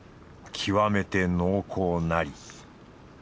極めて濃厚なり。